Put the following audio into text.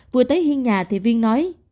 vừa tới hiên nhà thì viên nói